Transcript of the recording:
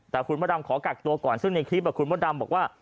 แต่คุณพระดำขอกักตัวก่อนซึ่งในคลิปคุณมดดำบอกว่า